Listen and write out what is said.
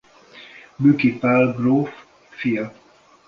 Büki Pál gróf fia.